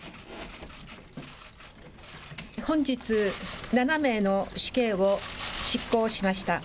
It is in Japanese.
本日７名の死刑を執行しました。